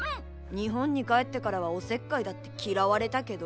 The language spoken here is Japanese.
日本に帰ってからはおせっかいだって嫌われたけど。